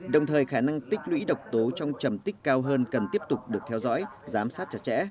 đồng thời khả năng tích lũy độc tố trong trầm tích cao hơn cần tiếp tục được theo dõi giám sát chặt chẽ